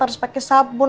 harus pakai sabun